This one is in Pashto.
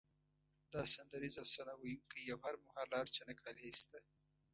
دا سندریز افسانه ویونکی او هر مهال له هر چا نه کالي ایسته.